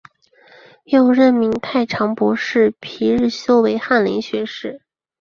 又任命太常博士皮日休为翰林学士。